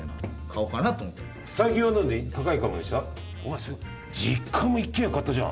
お前実家も一軒家買ったじゃん。